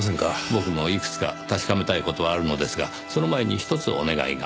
僕もいくつか確かめたい事はあるのですがその前にひとつお願いが。